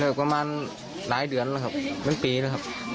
ประมาณหลายเดือนแล้วครับเป็นปีแล้วครับ